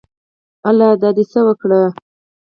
الۍ دا دې څه وکړه